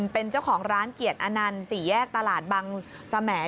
เป็นเจ้าของร้านเกียรติอนันต์๔แยกตลาดบังสมแห